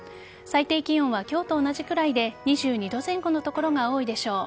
最低気温は今日と同じくらいで２２度前後の所が多いでしょう。